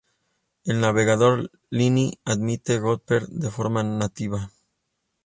El navegador Lynx admite Gopher de forma nativa.